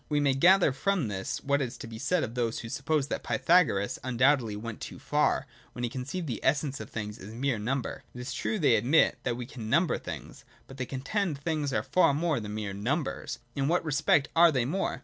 We may gather from this, what is to be said of those who suppose that Pythagoras undoubtedly went too far, when he conceived the essence of things as mere number. It is true, they admit, that we can number things ; but, they contend, things are far more than mere numbers. But in what re spect are they more?